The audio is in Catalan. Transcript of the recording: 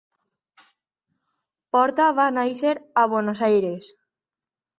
Porta va néixer a Buenos Aires.